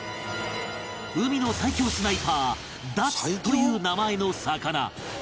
海の最恐スナイパーダツという名前の魚